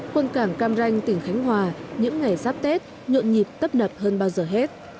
quân cảng cam ranh tỉnh khánh hòa những ngày giáp tết nhộn nhịp tấp nập hơn bao giờ hết